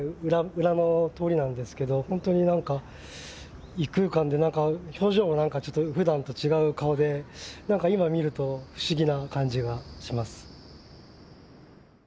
裏の通りなんですけどほんとに何か異空間で表情も何かちょっとふだんと違う顔で何か今見ると不思議な感じがします。